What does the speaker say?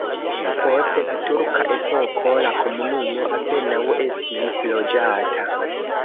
Post la turka epoko la komunumo apenaŭ estis loĝata.